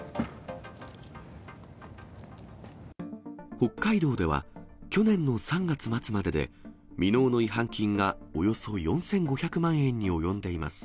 北海道では、去年の３月末までで、未納の違反金がおよそ４５００万円に及んでいます。